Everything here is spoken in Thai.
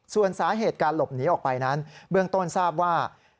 ส่วนสาเหตุการหลบหนีออกไปนั้นเบื้องต้นทราบว่า